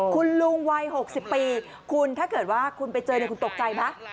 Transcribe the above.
คุณลุงวัย๖๐ปีคุณถ้าเกิดว่าคุณไปเจอคุณตกใจไหม